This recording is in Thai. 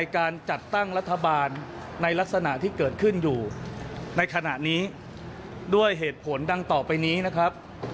การจัดตั้งรัฐบาลที่เกิดขึ้นอยู่นี้ด้วยเหตุผลดังต่อไปนี้นะครับ